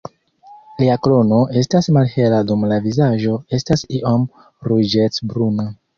Lia krono estas malhela dum la vizaĝo estas iom ruĝecbruna.